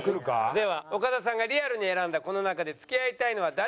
では岡田さんがリアルに選んだこの中で付き合いたいのは誰？